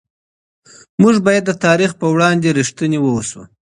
موږ باید د تاریخ په وړاندې رښتیني واوسو.